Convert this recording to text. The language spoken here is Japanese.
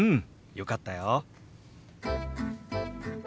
よかったよ。